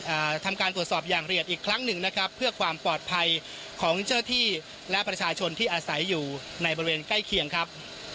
อ่าทำการตรวจสอบอย่างละเอียดอีกครั้งหนึ่งนะครับเพื่อความปลอดภัยของเจ้าที่และประชาชนที่อาศัยอยู่ในบริเวณใกล้เคียงครับ